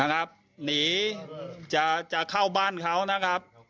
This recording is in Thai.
นะครับหนีจะเข้าบ้านเขานะครับ